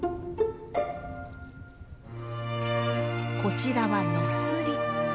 こちらはノスリ。